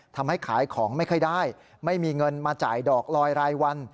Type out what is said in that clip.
ทำให้ขายของไม่ค่อยได้ไม่มีเงินมาจ่ายดอกลอยรายวัน